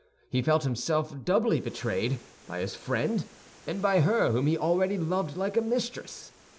He felt himself doubly betrayed, by his friend and by her whom he already loved like a mistress.